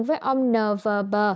với ông n v b